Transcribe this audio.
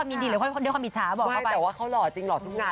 ไม่แต่ว่าเขาหล่อตัวจริงหล่อทุกหน้า